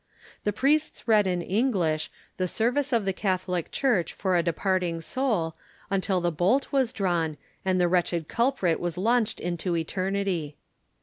The priests read in English, the service of the Catholic Church for a departing soul until the bolt was drawn, and the wretched culprit was launched into eternity.